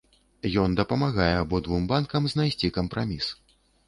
Ён дапамагае абодвум бакам знайсці кампраміс.